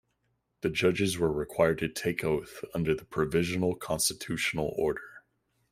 The judges were required to take oath under the Provisional Constitutional Order.